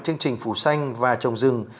chương trình phủ xanh và trồng rừng